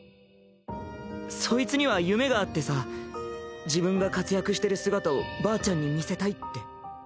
そいつには夢があってさ自分が活躍してる姿をばあちゃんに見せたいって。